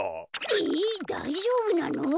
えっだいじょうぶなの？